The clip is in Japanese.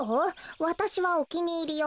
わたしはおきにいりよ。